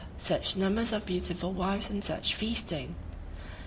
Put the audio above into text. such numbers of beautiful wives and such feasting!